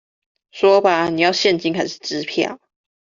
說吧，要現金還是支票？